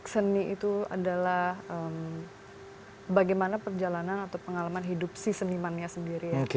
seni itu adalah bagaimana perjalanan atau pengalaman hidup si senimannya sendiri